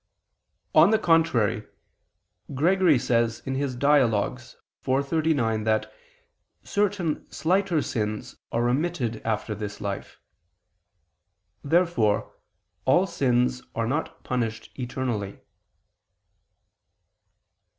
On the contrary, Gregory says (Dial. iv, 39), that certain slighter sins are remitted after this life. Therefore all sins are not punished eternally.